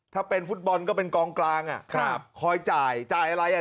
ถ้าเป็นฟุตบอลก็เป็นกองกลางอ่ะครับคอยจ่ายจ่ายอะไรอ่ะ